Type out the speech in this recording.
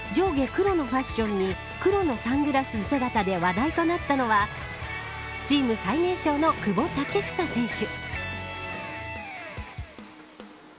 黒のファッションに黒のサングラス姿で話題となったのはチーム最年少の久保建英選手。